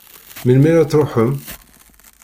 Melmi ara d-truḥem?